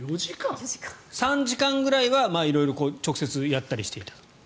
３時間ぐらいは色々と直接やったりしていた。